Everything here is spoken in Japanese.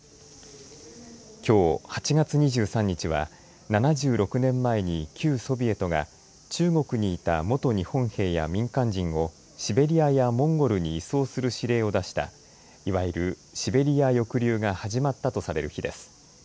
きょう８月２３日は７６年前に旧ソビエトが中国にいた元日本兵や民間人をシベリアやモンゴルに移送する指令を出したいわゆるシベリア抑留が始まったとされる日です。